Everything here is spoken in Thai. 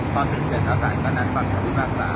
เพราะว่าเราต้องเคารพสาร